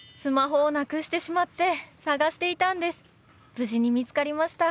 無事に見つかりました。